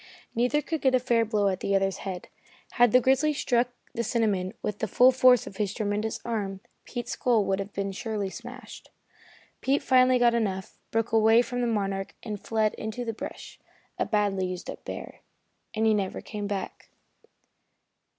Neither could get a fair blow at the other's head. Had the grizzly struck the cinnamon with the full force of his tremendous arm, Pete's skull would have surely been smashed. Pete finally got enough, broke away from the Monarch and fled into the brush, a badly used up bear; and he never came back.